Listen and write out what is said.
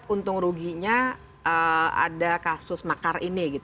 untung ruginya ada kasus makar ini